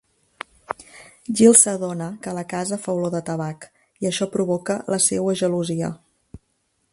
Gil s'adona que la casa fa olor de tabac, i això provoca la seua gelosia.